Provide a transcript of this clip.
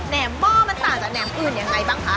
แหมหม้อมันต่างจากแหมอื่นยังไงบ้างคะ